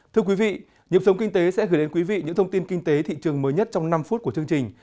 thưa quý vị nhiệm sống kinh tế sẽ gửi đến quý vị những thông tin kinh tế thị trường mới nhất trong năm phút của chương trình